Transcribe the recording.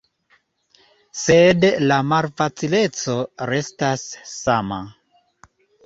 Sed la malfacileco restas sama.